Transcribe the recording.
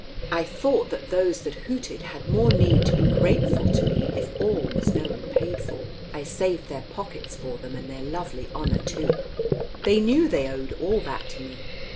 I thought that those that hooted had more need to be grateful to me if all was known and paid for. I saved their pockets for them and their lovely honour too. They knew they owed all that to me.